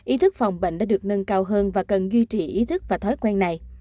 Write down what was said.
ý thức phòng bệnh đã được nâng cao hơn và cần duy trì ý thức và thói quen này